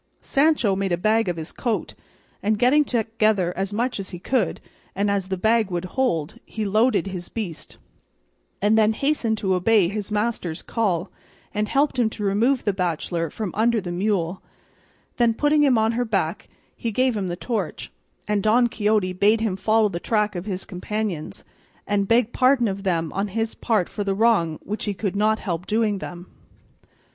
Sancho made a bag of his coat, and, getting together as much as he could, and as the bag would hold, he loaded his beast, and then hastened to obey his master's call, and helped him to remove the bachelor from under the mule; then putting him on her back he gave him the torch, and Don Quixote bade him follow the track of his companions, and beg pardon of them on his part for the wrong which he could not help doing them.